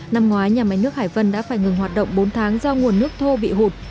năm ngoái nhà máy nước hải vân đã phải ngừng hoạt động bốn tháng do nguồn nước thô bị hụt